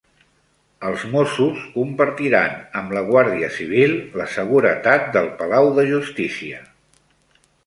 Els Mossos compartiran amb la Guàrdia Civil la seguretat del Palau de Justícia